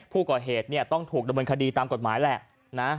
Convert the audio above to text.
ผู้ก่อเหตุเนี่ยต้องถูกดำเนินคดีตามกฎหมายแหละนะ